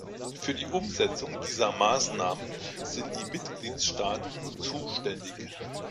Für die Umsetzung dieser Maßnahmen sind die Mitgliedstaaten zuständig.